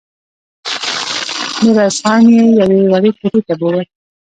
ميرويس خان يې يوې وړې کوټې ته بوت.